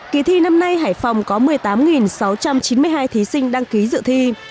kỳ thi năm nay hải phòng có một mươi tám sáu trăm chín mươi hai thí sinh đăng ký dự thi